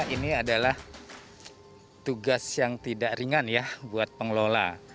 ini adalah tugas yang tidak ringan ya buat pengelola